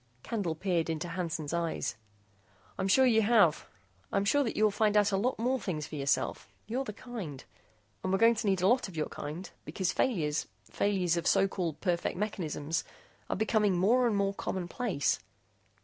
Candle peered into Hansen's eyes. "I'm sure you have. I'm sure that you will find out a lot more things for yourself. You're the kind. And we're going to need a lot of your kind, because failures failures of so called perfect mechanisms are becoming more and more commonplace."